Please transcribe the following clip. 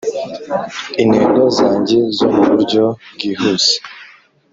Intego Zanjye Zo Mu Buryo Bwihuse